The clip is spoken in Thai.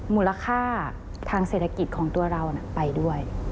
มูลค่าทางเศรษฐกิจของตัวเราไปด้วย